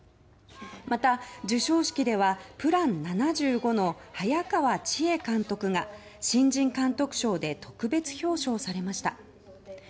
また、授賞式では「ＰＬＡＮ７５」の早川千絵監督が新人監督賞で特別表彰されました。